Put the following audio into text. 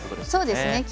そうですね。